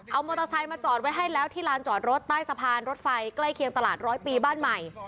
เอามอเตอร์ไซค์มาจอดไว้ให้แล้วที่ลานจอดรถใต้สะพานรถไฟใกล้เคียงตลาดร้อยปีบ้านใหม่